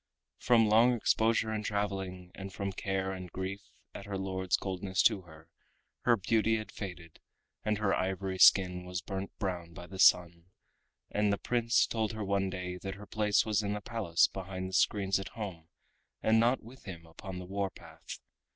From long exposure in traveling, and from care and grief at her lord's coldness to her, her beauty had faded, and her ivory skin was burnt brown by the sun, and the Prince told her one day that her place was in the Palace behind the screens at home and not with him upon the warpath.